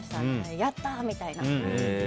やったー！みたいな。